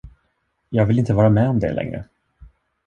Jag vill inte vara med om det längre.